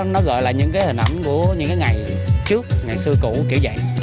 nó gọi là những cái hình ảnh của những cái ngày trước ngày xưa cũ kể vậy